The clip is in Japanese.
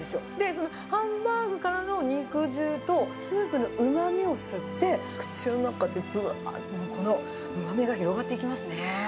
そのハンバーグからの肉汁と、スープのうまみを吸って、口の中で、ぶわーっとこのうまみが広がっていきますね。